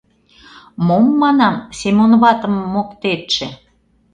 — Мом, — манам, — Семон ватым моктетше?